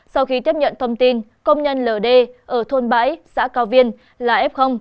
sau khi tiếp nhận thông tin công nhân ld ở thôn bãi xã cao viên là f